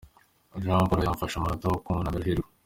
Jamporo yafashe umunota wo kunamira Hirwa